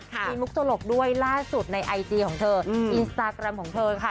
มีมุกตลกด้วยล่าสุดในไอจีของเธออินสตาแกรมของเธอค่ะ